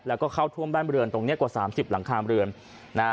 แล้วก็เข้าท่วมบ้านบริเวณตรงเนี่ยกว่า๓๐หลังคามบริเวณ